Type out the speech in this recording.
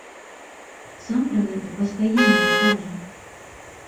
Сам пра гэта пастаянна кажа.